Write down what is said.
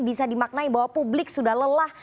bisa dimaknai bahwa publik sudah lelah